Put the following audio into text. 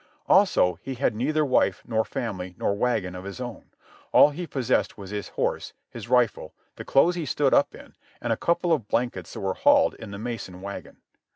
Also, he had neither wife, nor family, nor wagon of his own. All he possessed was his horse, his rifle, the clothes he stood up in, and a couple of blankets that were hauled in the Mason wagon.